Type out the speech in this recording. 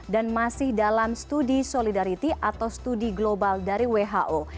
dan masih dalam studi solidariti atau studi global dari who